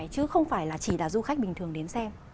chứ không phải là chỉ là du khách bình thường đến xem